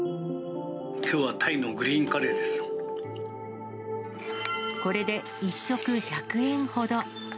きょうはタイのグリーンカレこれで１食１００円ほど。